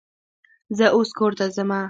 زه اوس کور ته ځمه.